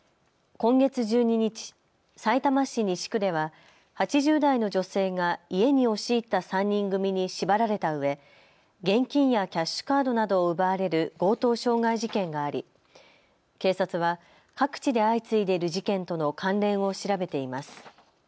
今月１２日、さいたま市西区では８０代の女性が家に押し入った３人組に縛られたうえ、現金やキャッシュカードなどを奪われる強盗傷害事件があり警察は各地で相次いでいる事件との関連を調べています。